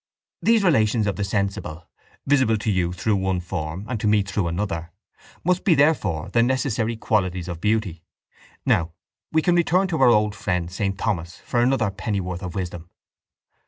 These relations of the sensible, visible to you through one form and to me through another, must be therefore the necessary qualities of beauty. Now, we can return to our old friend saint Thomas for another pennyworth of wisdom.